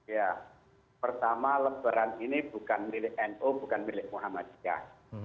ya pertama lebaran ini bukan milik nu bukan milik muhammadiyah